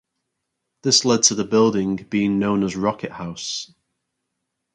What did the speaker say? This led to the building being known as Rocket House.